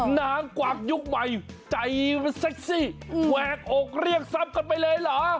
หนางกวากยุคใหม่ใจเซ็กซี่แวกอกเลี่ยงซ้ำกันไปเลยเหรอ